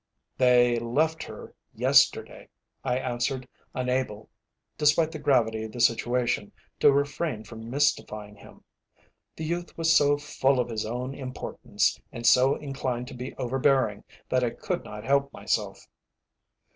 "They left her yesterday," I answered, unable, despite the gravity of the situation, to refrain from mystifying him. The youth was so full of his own importance, and so inclined to be overbearing that I could not help myself.